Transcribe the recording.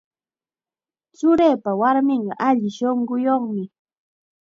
Churiipa warminqa alli shunquyuqmi.